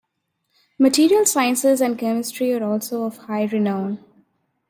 Material sciences and chemistry are also of high renown.